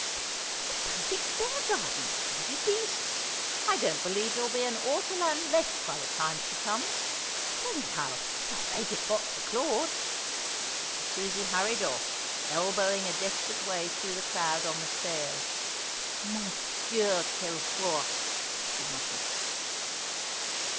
"A perfect bear garden of greedy beasts. I don't believe there'll be an ortolan left by the time she comes. Anyhow, I'll make it hot for Claude!" and Susie hurried off, elbowing a desperate way through the crowd on the stairs. "Mon dieu, quel four!" she muttered.